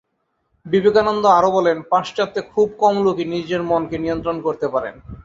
বিবেকানন্দ আরো বলেন, পাশ্চাত্যে খুব কম লোকই নিজের মনকে নিয়ন্ত্রণ করতে পারেন।